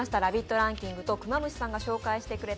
ランキングとクマムシさんが紹介してくれました